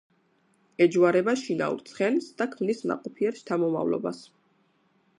ეჯვარება შინაურ ცხენს და ქმნის ნაყოფიერ შთამომავლობას.